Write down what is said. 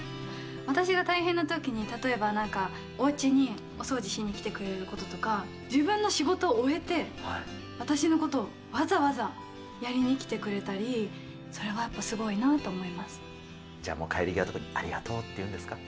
私が大変なときに、例えばなんか、おうちにお掃除しに来てくれることとか、自分の仕事を終えて、私のことをわざわざやりに来てくれたり、それはやっぱすごいなとじゃあもう、帰り際にありがとうって言うんですか？